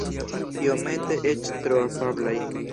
Iomete eĉ tro afablaj.